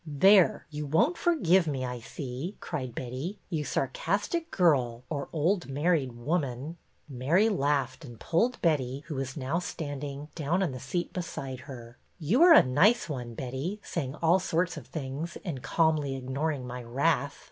'' There ! You won't forgive me, I see," cried Betty. ''You sarcastic girl — or old married woman !" Mary laughed, and pulled Betty, who was now standing, down on the seat beside her. " You are a nice one, Betty, saying all sorts of things and calmly ignoring my wrath